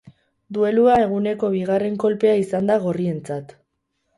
Duelua eguneko bigarren kolpea izan da gorrientzat.